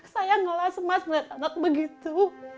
sayang olah semuanya melihat anak begitu